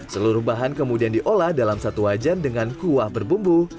seluruh bahan kemudian diolah dalam satu wajan dengan kuah berbumbu